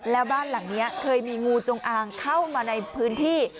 แล้วบ้านหลังนี้เคยมีงูจงอางเข้ามาในพื้นที่